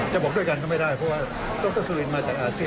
บอกด้วยกันก็ไม่ได้เพราะว่าดรสุรินมาจากอาเซียน